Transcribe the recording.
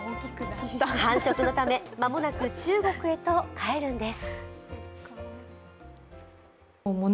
繁殖のため、間もなく中国へと帰るんです。